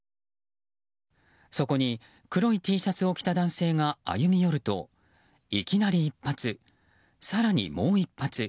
そこに黒いＴシャツを着た男性が歩み寄ると、いきなり一発更にもう一発。